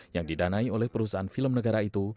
yang didanai oleh perusahaan film negara itu